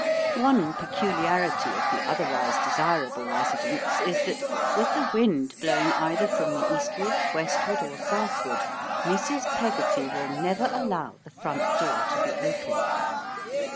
One peculiarity of the otherwise desirable residence is that, with the wind blowing either from the eastward, westward, or southward, Mrs. Peggotty will never allow the front door to be opened.